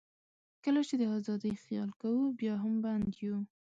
کله چې د آزادۍ خیال کوو، بیا هم بند یو.